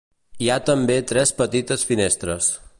Hi ha també tres petites finestres.